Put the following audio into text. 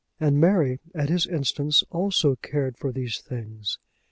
And Mary, at his instance, also cared for these things.